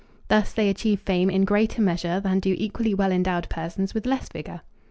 Thus they achieve fame in greater measure than do equally well endowed persons with less vigor.